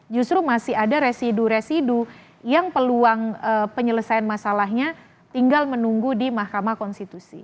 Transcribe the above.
justru masih ada residu residu yang peluang penyelesaian masalahnya tinggal menunggu di mahkamah konstitusi